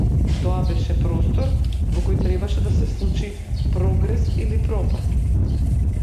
Тоа беше простор во кој требаше да се случи прогрес или пропаст.